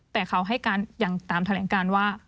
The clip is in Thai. แต่เขาให้การอย่างตามแถลงการว่า